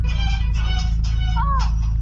ستا د کتاب تر اشو ډېر دي زما خالونه